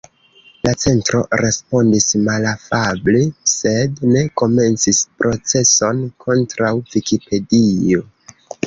La centro respondis malafable sed ne komencis proceson kontraŭ Vikipedio